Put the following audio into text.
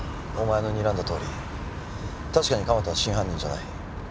お前のにらんだとおり確かに蒲田は真犯人じゃない。